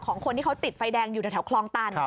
คนที่เขาติดไฟแดงอยู่แถวคลองตัน